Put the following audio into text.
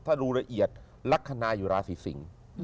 ถ้าดูละเอียดลักษณะอยู่ราศีสิงศ์